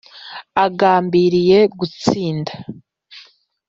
Agambiriye gutsinda